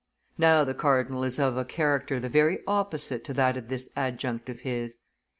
Now the cardinal is of a character the very opposite to that of this adjunct of his. M.